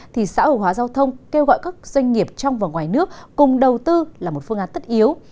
thì xã hội hóa giao thông kêu gọi các doanh nghiệp trong và ngoài nước cùng đầu tư là một phương án tất yếu